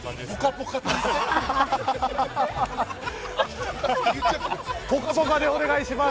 ぽかぽかでお願いします。